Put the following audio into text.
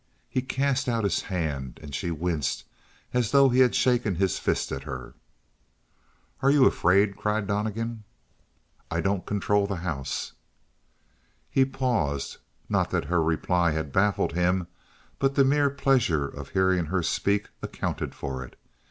He cast out his hand, and she winced as though he had shaken his fist at her. "Are you afraid?" cried Donnegan. "I don't control the house." He paused, not that her reply had baffled him, but the mere pleasure of hearing her speak accounted for it.